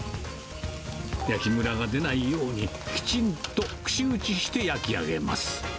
焼きむらが出ないように、きちんと串打ちして焼き上げます。